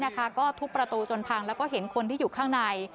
ก็ทุบประตูจนพังแล้วก็เห็นคนที่อยู่ข้างใน